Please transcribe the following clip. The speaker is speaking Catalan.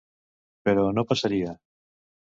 Però no passaria.